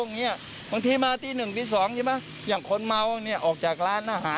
นี่ไงค่ะ